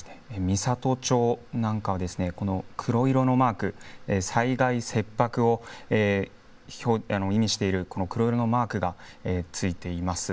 美郷町なんかは、この黒色のマーク、災害切迫を意味している、この黒色のマークがついています。